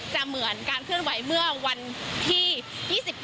เหมือนการเคลื่อนไหวเมื่อวันที่๒๘